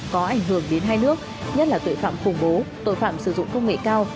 có ảnh hưởng đến hai nước nhất là tội phạm khủng bố tội phạm sử dụng công nghệ cao